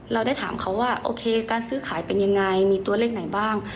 เราได้ถามเขาว่าโอเคการซื้อขายเป็นยังไงมีตัวเลขไหนบ้าง